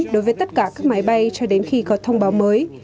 đối với tất cả các máy bay cho đến khi có thông báo mới